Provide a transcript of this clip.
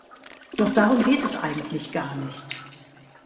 Doch darum geht es eigentlich gar nicht.